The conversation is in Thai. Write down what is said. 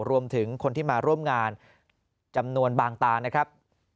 รวมถึงคนที่มาร่วมงานจำนวนบางตานะครับ